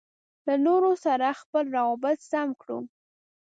له نورو سره خپل روابط سم کړو.